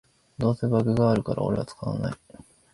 どうせバグあるからオレは使わない